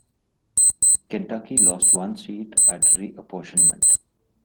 Kentucky lost one seat at reapportionment.